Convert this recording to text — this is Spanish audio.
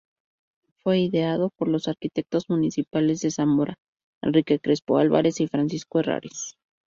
Fue ideado por los arquitectos municipales de Zamora: Enrique Crespo Álvarez y Francisco Herranz.